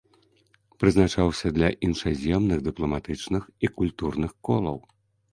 Прызначаўся для іншаземных дыпламатычных і культурных колаў.